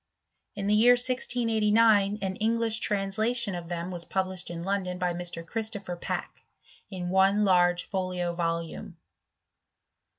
In the year 1689 an English translation of them was f>ublished in London by Mr. Christopher Packe, in one arge folio volume.